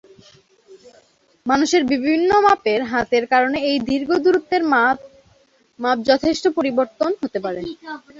মানুষের বিভিন্ন মাপের হাতের কারণে এই দীর্ঘ দূরত্বের মাপ যথেষ্ট পরিবর্তন হতে পারে।